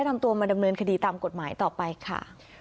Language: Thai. มาดำเนินคดีตามกฎหมายต่อไปค่ะ